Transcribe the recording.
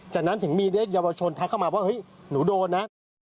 จากนั้นถึงมีเยาวชนทักเข้ามาว่าเฮ้ยหนูโดนนะ